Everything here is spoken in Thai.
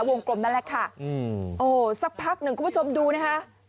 วงกลมนั่นแหละค่ะอืมโอ้สักพักหนึ่งคุณผู้ชมดูนะคะ